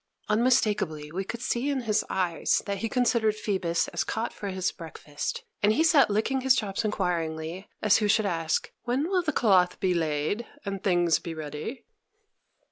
Unmistakably we could see in his eyes that he considered Phoebus as caught for his breakfast; and he sat licking his chops inquiringly, as who should ask, "When will the cloth be laid, and things be ready?"